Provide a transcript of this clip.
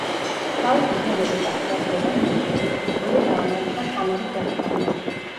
თავისი უფლებების აღსადგენად მებრძოლი უფლისწული დაამარცხა თამარის ლაშქარმა.